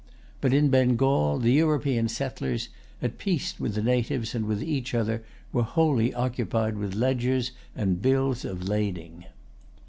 But in Bengal the European settlers, at peace with the natives and with each other, were wholly occupied with ledgers and bills of lading.